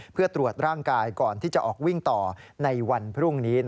เพื่อตรวจร่างกายก่อนที่จะออกวิ่งต่อในวันพรุ่งนี้